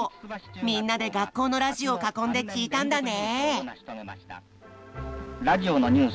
みんなで学校のラジオを囲んで聴いたんだね。